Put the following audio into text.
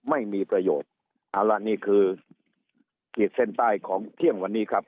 ไม่มีประโยชน์เอาละนี่คือขีดเส้นใต้ของเที่ยงวันนี้ครับ